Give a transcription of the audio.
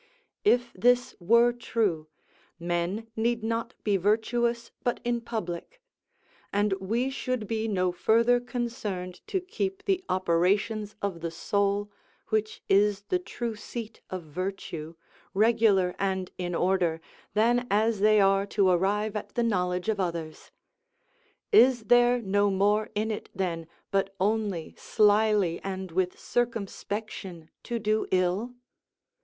If this were true, men need not be virtuous but in public; and we should be no further concerned to keep the operations of the soul, which is the true seat of virtue, regular and in order, than as they are to arrive at the knowledge of others. Is there no more in it, then, but only slily and with circumspection to do ill?